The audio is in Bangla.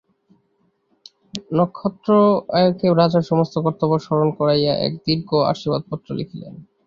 নক্ষত্ররায়কে রাজার সমস্ত কর্তব্য স্মরণ করাইয়া এক দীর্ঘ আশীর্বাদ-পত্র লিখিলেন।